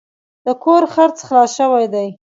د کور خرڅ خلاص شوی دی.